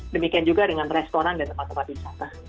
demikian juga dengan restoran dan tempat tempat wisata